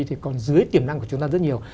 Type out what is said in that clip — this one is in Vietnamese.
thì còn dưới tiềm năng của chúng ta rất nhiều